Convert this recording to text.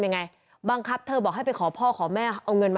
แล้วก็หนีดูแขนสิคะ